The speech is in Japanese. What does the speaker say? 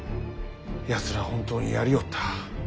やつら本当にやりおった。